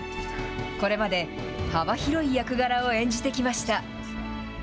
これまで幅広い役柄を演じてきました。